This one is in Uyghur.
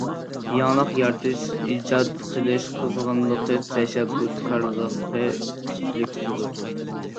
يېڭىلىق يارىتىش، ئىجاد قىلىش قىزغىنلىقى، تەشەببۇسكارلىقى كۈچلۈك بولىدۇ.